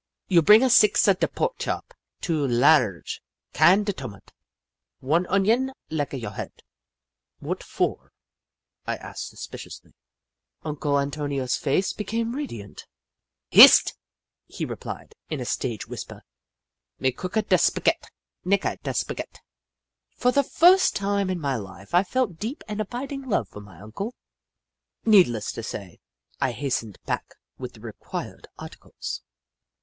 " You bringa sixa da pork chop, two lar rge can da tomat, one onion lika your head." " What for ?" I asked, suspiciously. Uncle Antonio's face became radiant. i62 The Book of Clever Beasts " Hist !" he repHed, in a stage whisper. " Me cooka da spaghett ! Nica da spaghett !" For the first time in my Hfe, I felt deep and abiding love for my Uncle. Needless to say, I hastened back with the required articles.